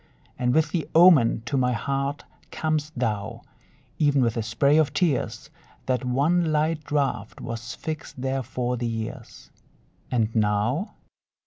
And with the omen to my heart cam'st thou. Even with a spray of tears That one light draft was fixed there for the years. And now?